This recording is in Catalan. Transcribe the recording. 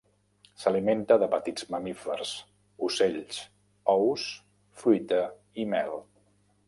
S'alimenta de petits mamífers, ocells, ous, fruita i mel.